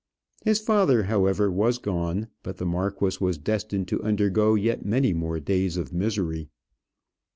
His father, however, was gone; but the marquis was destined to undergo yet many more days of misery.